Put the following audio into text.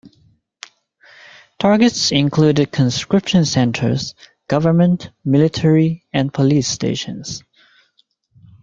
Targets included conscription centers, government, military and police stations.